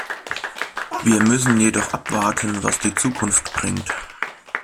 Wir müssen jedoch abwarten, was die Zukunft bringt.